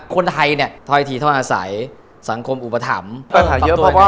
คนไทยเนี่ยถ้อยทีถ้อยอาศัยสังคมอุปถัมภ์